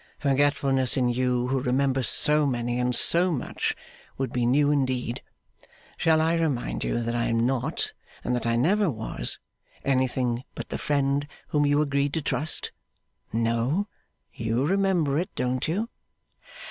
'Forgetfulness in you who remember so many and so much, would be new indeed. Shall I remind you that I am not, and that I never was, anything but the friend whom you agreed to trust? No. You remember it, don't you?